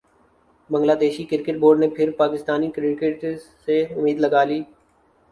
بنگلہ دیش cricket board نے پھر پاکستانی کرکٹرز سے امید لگا لی